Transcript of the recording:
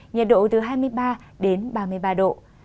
nhiệt độ từ hai mươi ba đến ba mươi ba độ